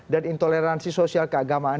dan intoleransi sosial keagamaan